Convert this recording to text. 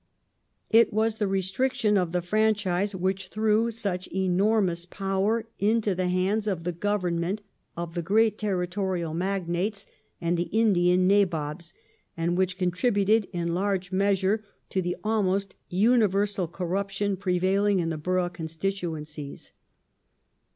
} It was the restriction of the franchise which threw such enormous influence I power into the hands of the Government, of the great territorial ^"^ po^ r ^» o ruption I magnates, and the Indian " Nabobs," and which contributed in large measure to the almost univei sal corruption prevailing in the borough constituencies.